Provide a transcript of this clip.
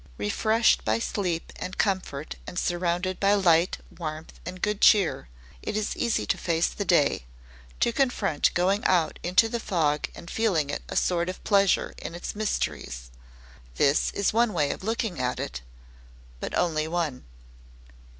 Refreshed by sleep and comfort and surrounded by light, warmth, and good cheer, it is easy to face the day, to confront going out into the fog and feeling a sort of pleasure in its mysteries. This is one way of looking at it, but only one.